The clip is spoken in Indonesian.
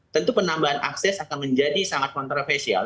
tentu penambahan akses akan menjadi sangat kontroversial